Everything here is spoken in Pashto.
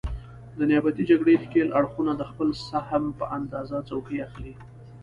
د نیابتي جګړې ښکېل اړخونه د خپل سهم په اندازه څوکۍ اخلي.